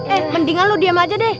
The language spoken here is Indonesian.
eh mendingan lu diem aja deh